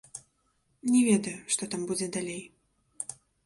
Не ведаю, што там будзе далей.